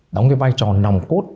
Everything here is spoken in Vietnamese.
đóng vai trò nòng cốt